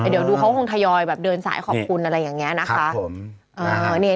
เดี๋ยวดูเขาคงทยอยแบบเดินสายขอบคุณอะไรอย่างนี้นะคะ